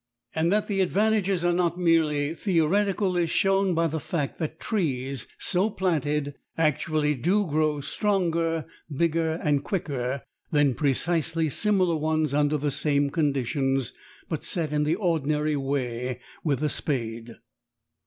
And that the advantages are not merely theoretical is shown by the fact that trees so planted actually do grow stronger, bigger and quicker than precisely similar ones under the same conditions, but set in the ordinary way with a spade.